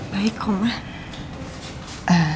baik kok ma